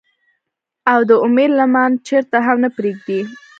او د اميد لمن چرته هم نۀ پريږدي ۔